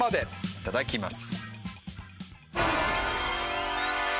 いただきます。